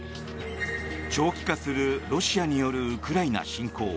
長期化するロシアによるウクライナ侵攻。